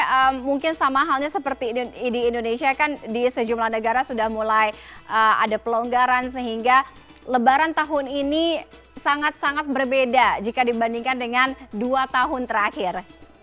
tapi mungkin sama halnya seperti di indonesia kan di sejumlah negara sudah mulai ada pelonggaran sehingga lebaran tahun ini sangat sangat berbeda jika dibandingkan dengan dua tahun terakhir